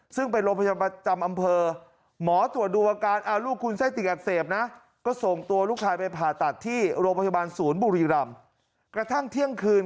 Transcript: ซึ่งไปโรงพยาบาลประจำอำเภอหมอตรวจดูประการ